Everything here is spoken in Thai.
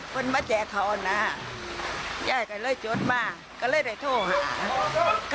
กูบอกว่าเอาแผ่นยายก็รับไปยังเยอะเทิง